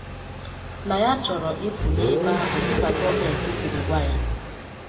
na ya chọrọ ịpụ n'ebe ahụ dịka gọọmenti siri gwa ya